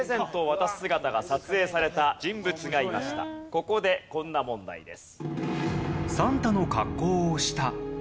ここでこんな問題です。